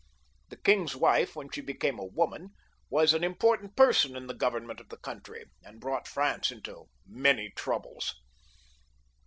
The king^s wife, when she became a woman, was an import ant person in the Government of the country, and brought France into many troubles.